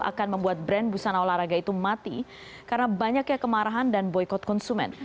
akan membuat brand busana olahraga itu mati karena banyaknya kemarahan dan boykot konsumen